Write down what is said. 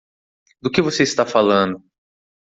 Do que você está falando?